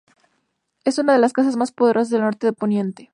Es una de las casas más poderosas del norte de Poniente.